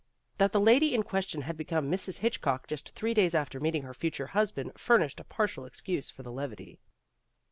That the lady in question had become Mrs. Hitchcock just three days after meeting her future husband fur nished a partial excuse for the levity.